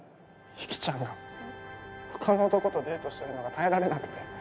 雪ちゃんがほかの男とデートしてるのが耐えられなくて。